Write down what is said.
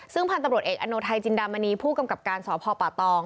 ซึ่งพันธุ์ตำรวจเอกอโนไทยจินดามณีผู้กำกับการสพป่าตอง